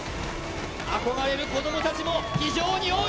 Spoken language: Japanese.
憧れる子供たちも非常に多い。